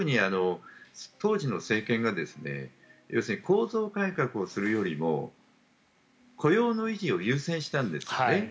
当時の政権が構造改革をするよりも雇用の維持を優先したんです。